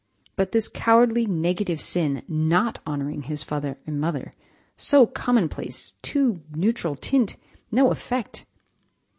But this cowardly, negative sin, not honouring his father and mother! so commonplace, too, neutral tint no effect.